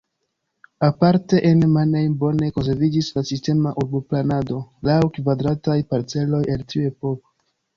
Aparte en Mannheim bone konserviĝis la sistema urboplanado laŭ kvadrataj parceloj el tiu epoko.